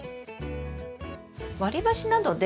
割り箸などで。